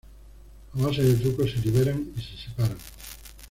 A base de trucos se liberan y se separan.